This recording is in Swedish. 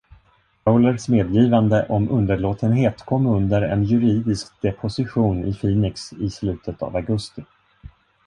Fowlers medgivande om underlåtenhet kom under en juridisk deposition i Phoenix i slutet av augusti.